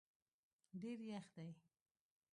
ډېر یخ دی